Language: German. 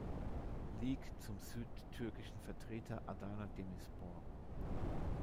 Lig zum südtürkischen Vertreter Adana Demirspor.